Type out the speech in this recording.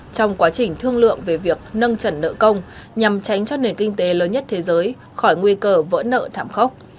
trong quá trình thương lượng về việc nâng trần nợ công nhằm tránh cho nền kinh tế lớn nhất thế giới khỏi nguy cơ vỡ nợ thảm khốc